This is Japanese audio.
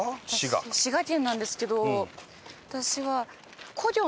私滋賀県なんですけど私は。